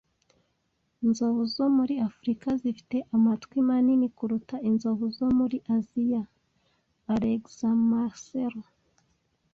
Inzovu zo muri Afrika zifite amatwi manini kuruta inzovu zo muri Aziya. (alexmarcelo)